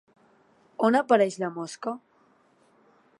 On apareix la mosca?